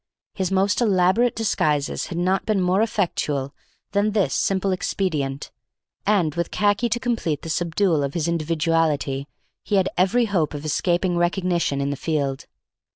His most elaborate disguises had not been more effectual than this simple expedient, and, with khaki to complete the subdual of his individuality, he had every hope of escaping recognition in the field.